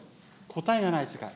答えがない世界。